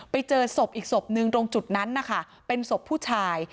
ไปเจอศพอีกศพหนึ่งตรงจุดนั้นนะคะเป็นศพผู้ชาย